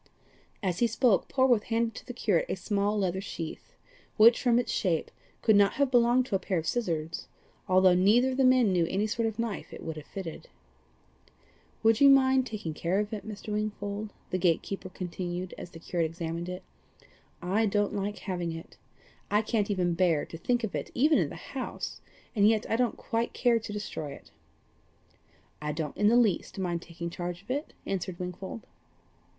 As he spoke Polwarth handed to the curate a small leather sheath, which, from its shape, could not have belonged to a pair of scissors, although neither of the men knew any sort of knife it would have fitted. "Would you mind taking care of it, Mr. Wingfold?" the gate keeper continued as the curate examined it; "I don't like having it. I can't even bear to think of it even in the house, and yet I don't quite care to destroy it." "I don't in the least mind taking charge of it," answered Wingfold.